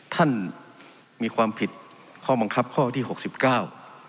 ท่านมีความผิดข้อบังคับข้อที่หกสิบเก้า